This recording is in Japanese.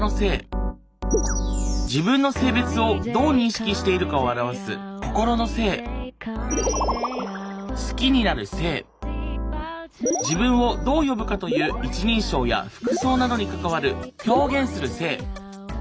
自分の性別をどう認識しているかを表す心の性好きになる性自分をどう呼ぶかという一人称や服装などに関わる表現する性。